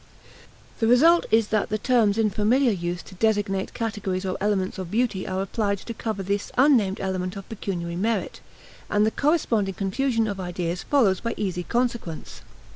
The result is that the terms in familiar use to designate categories or elements of beauty are applied to cover this unnamed element of pecuniary merit, and the corresponding confusion of ideas follows by easy consequence.